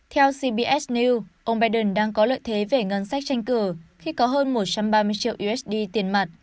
theo cbs news ông biden đang có lợi thế về ngân sách tranh cử khi có hơn một trăm ba mươi triệu usd tiền mặt